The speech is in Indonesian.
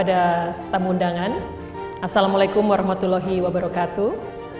assalamualaikum warahmatullahi wabarakatuh